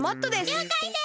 りょうかいです！